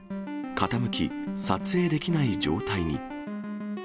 傾き、撮影できない状態に。